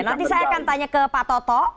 nanti saya akan tanya ke pak toto